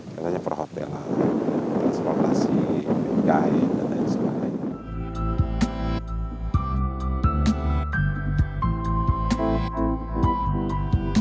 katanya perhotelan transportasi kain dan lain sebagainya